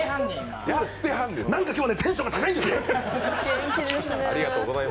なんか今日、テンションが高いんですよ。